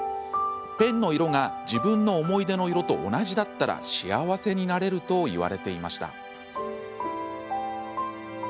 ペンの色が自分の思い出の色と同じだったら幸せになれるといわれていました。